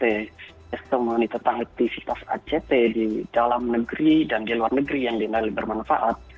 sistem mengenai tentang aktivitas act di dalam negeri dan di luar negeri yang dinilai bermanfaat